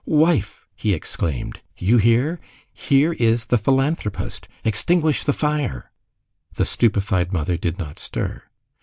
"Wife!" he exclaimed, "you hear. Here is the philanthropist. Extinguish the fire." The stupefied mother did not stir.